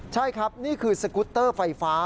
ใช่ครับนี่คือสกุตเตอร์ไฟฟ้า